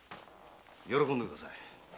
喜んでください。